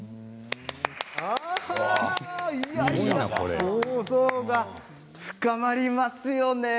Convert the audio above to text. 想像が深まりますよね。